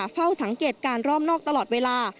เฝ้าสังเกตการณ์รอบนอกตลอดเวลา